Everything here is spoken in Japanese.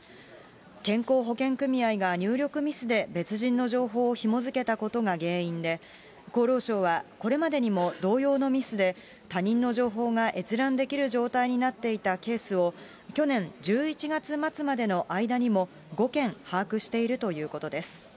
健康保険組合が入力ミスで別人の情報をひも付けたことが原因で、厚労省は、これまでにも同様のミスで、他人の情報が閲覧できる状態になっていたケースを、去年１１月末までの間にも、５件把握しているということです。